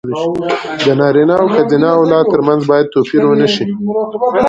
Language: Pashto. د نارينه او ښځينه اولاد تر منځ بايد توپير ونشي.